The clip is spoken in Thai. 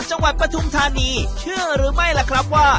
ปฐุมธานีเชื่อหรือไม่ล่ะครับว่า